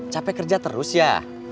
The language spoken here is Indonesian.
capek kerja terus ya